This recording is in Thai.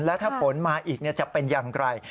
แล้วถ้าฝนมาอีกจะเป็นอย่างไร